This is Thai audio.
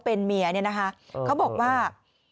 เป็นเมียเนี่ยนะคะเขาบอกว่า